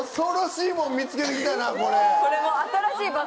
これ。